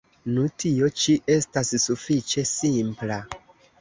Nu, tio ĉi estas sufiĉe simpla.